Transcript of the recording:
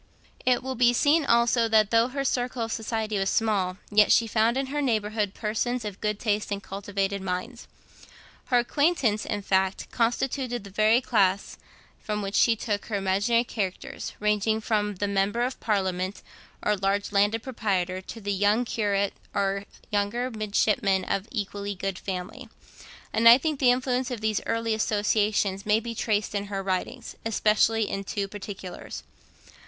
It will be seen also that though her circle of society was small, yet she found in her neighbourhood persons of good taste and cultivated minds. Her acquaintance, in fact, constituted the very class from which she took her imaginary characters, ranging from the member of parliament, or large landed proprietor, to the young curate or younger midshipman of equally good family; and I think that the influence of these early associations may be traced in her writings, especially in two particulars.